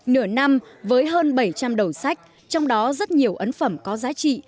nửa năm với hơn bảy trăm linh đầu sách trong đó rất nhiều ấn phẩm có giá trị